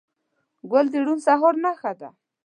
ګل د روڼ سهار نښه ده.